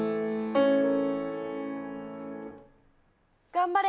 頑張れ。